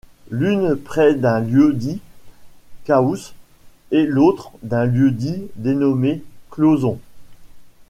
L’une près d’un lieu-dit Caousse et l’autre d’un lieu-dit dénommé Clauzon.